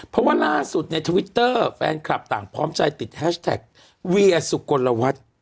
เพราะว่าล่าสุดในทวิตเตอร์แฟนคลับต่างพร้อมใจติดแฮชแท็กเวียสุกลวัฒน์